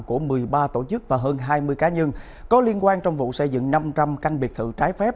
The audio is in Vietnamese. của một mươi ba tổ chức và hơn hai mươi cá nhân có liên quan trong vụ xây dựng năm trăm linh căn biệt thự trái phép